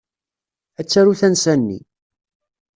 Ad taru tansa-nni.